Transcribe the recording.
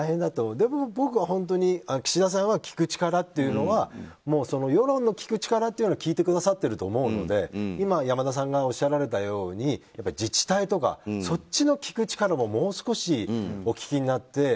でも、僕は本当に岸田さんは聞く力というのは世論の聞く力というのを聞いてくださってると思うので今、山田さんがおっしゃられたように自治体とか、そっちの聞く力ももう少しお聞きになって。